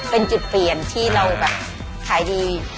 เป็นจุดเปลี่ยนที่เราแบบขายดี